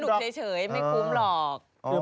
สนุกเฉยไม่คุ้มหรอก